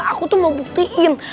aku tuh mau buktiin